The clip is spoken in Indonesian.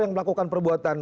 yang melakukan perbuatan